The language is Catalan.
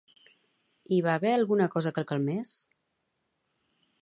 Hi va haver alguna cosa que el calmés?